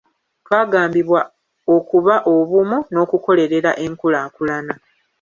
twagambibwa okuba obumu n'okukolerera enkulaakulana.